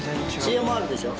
艶もあるでしょ。